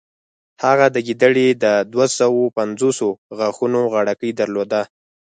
هغه د ګیدړې د دوهسوو پنځوسو غاښونو غاړکۍ درلوده.